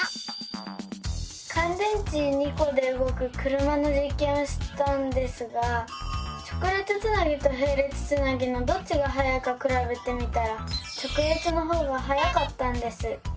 かん電池２コでうごく車のじっけんをしたんですが直列つなぎとへい列つなぎのどっちがはやいかくらべてみたら直列のほうがはやかったんです。